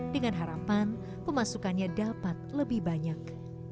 dengan harapan pemasukannya dapat lebih banyak